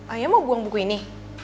ayah mau buang buku ini